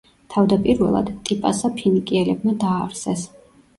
თავდაპირველად, ტიპასა ფინიკიელებმა დააარსეს.